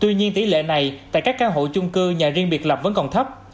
tuy nhiên tỷ lệ này tại các căn hộ chung cư nhà riêng biệt lập vẫn còn thấp